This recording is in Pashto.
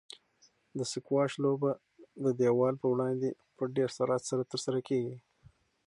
د سکواش لوبه د دیوال په وړاندې په ډېر سرعت سره ترسره کیږي.